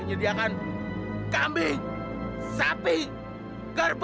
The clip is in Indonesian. mereka berada di quantity